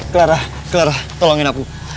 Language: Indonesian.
clara clara tolongin aku